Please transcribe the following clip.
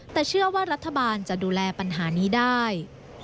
แต่เชื่อว่ารัฐบาลจะดูแลปัญหานี้ได้